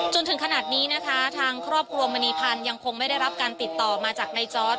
จนถึงขนาดนี้นะคะทางครอบครัวมณีพันธ์ยังคงไม่ได้รับการติดต่อมาจากในจอร์ด